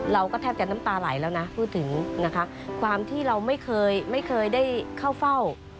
เราก็แทบจะน้ำตาไหลแล้วนะพูดถึงนะคะ